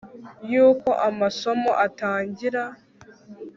y'uko amasomo atangira